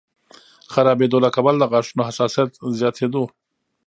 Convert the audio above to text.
خرابېدو له کبله د غاښونو حساسیت زیاتېدو